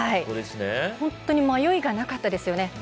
本当に迷いがなかったですよね。